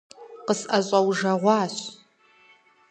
– КъысӀэщӀэужэгъуащ…